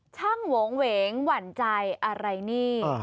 ช่างโหงเหวงหวั่นใจอะไรนี่